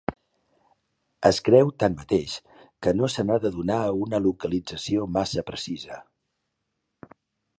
Es creu, tanmateix, que no se n'ha de donar una localització massa precisa.